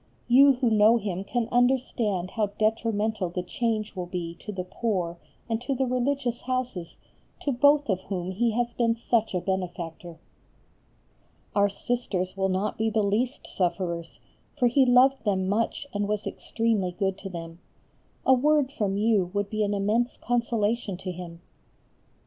You who know him can understand how detrimental the change will be to the poor and to the religious Houses, to both of whom he has been such a benefactor. Our Sisters will not be the least sufferers, for he loved them much and was extremely good to them. A word from you would be an immense consolation to him.